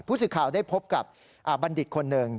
ผู้สื่อข่าวได้พบกับบัณฑิตคนหนึ่ง